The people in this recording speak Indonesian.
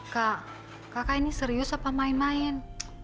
kak kakak ini serius apa main main